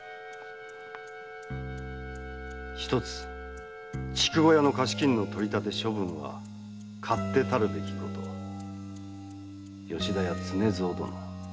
「一つ筑後屋の貸し金の取り立て処分は勝手たるべきこと」「吉田屋常蔵殿」